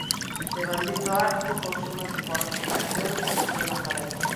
Devandito acto consúmase coa resurrección de Xesús de Nazaret.